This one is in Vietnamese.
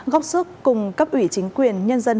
góp sức cùng cấp ủy chính quyền nhân dân